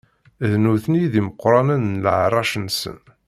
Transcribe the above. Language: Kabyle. D nutni i d imeqranen n leɛṛac-nsen.